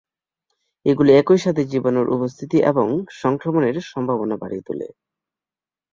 এগুলি একইসাথে জীবাণুর উপস্থিতি এবং সংক্রমণের সম্ভাবনা বাড়িয়ে তোলে।